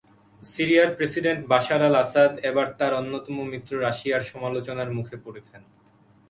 সিরিয়ার president Bashar al-Assad এবার তাঁর অন্যতম মিত্র রাশিয়ার সমালোচনার মুখে পড়েছেন।